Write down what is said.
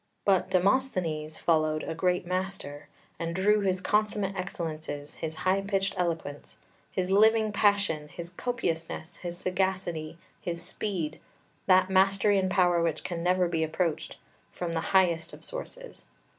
But Demosthenes followed a great master, and drew his consummate excellences, his high pitched eloquence, his living passion, his copiousness, his sagacity, his speed that mastery and power which can never be approached from the highest of sources.